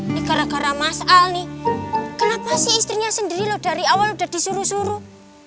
ini gara gara mas al nih kenapa sih istrinya sendiri loh dari awal sudah disuruh suruh